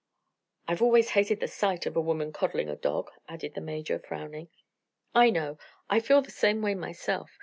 "I've always hated the sight of a woman coddling a dog," added the Major, frowning. "I know. I feel the same way myself.